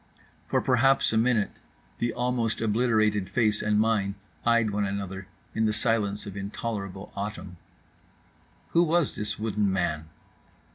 For perhaps a minute the almost obliterated face and mine eyed one another in the silence of intolerable autumn. Who was this wooden man?